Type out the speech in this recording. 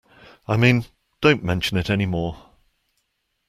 I mean, don't mention it any more.